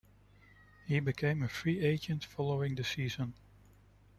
He became a free agent following the season.